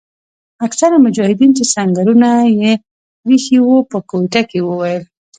اکثره مجاهدین چې سنګرونه یې پریښي وو په کوټه کې وویل.